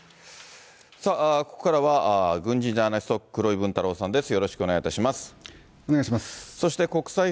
ここからは、軍事ジャーナリスト、黒井文太郎さんです。